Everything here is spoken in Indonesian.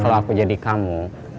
kalau aku jadi kamu